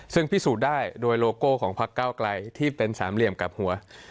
ซึ่งพิสูจน์ได้โดยโลโก้ของพักเก้าไกลที่เป็นสามเหลี่ยมกับหัว